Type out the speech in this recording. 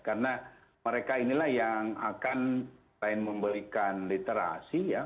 karena mereka inilah yang akan lain memberikan literasi ya